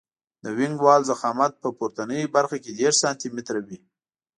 د وینګ وال ضخامت په پورتنۍ برخه کې دېرش سانتي متره وي